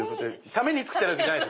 ために作ってるわけじゃない。